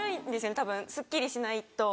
たぶんすっきりしないと。